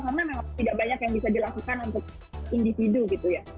karena memang tidak banyak yang bisa dilakukan untuk individu gitu ya